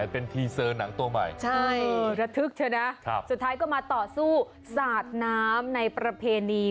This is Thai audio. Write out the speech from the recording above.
โปรดติดตามตอนต่อไป